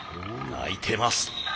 鳴いてます。